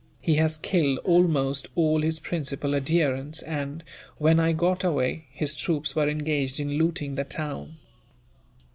He has killed almost all his principal adherents and, when I got away, his troops were engaged in looting the town."